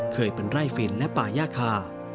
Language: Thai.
เคยเป็นไร่ฟินและป่าย่าคา